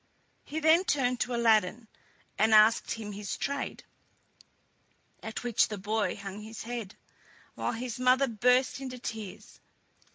He then turned to Aladdin, and asked him his trade, at which the boy hung his head, while his mother burst into tears.